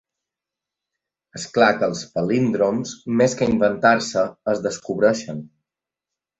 És clar que els palíndroms, més que inventar-se, es descobreixen.